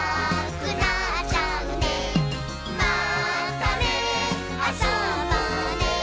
「またねあそぼうね